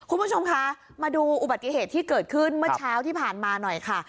คุณผู้ชมคะมาดูอุบัติเหตุที่เกิดขึ้นเมื่อเช้าที่ผ่านมาหน่อยค่ะ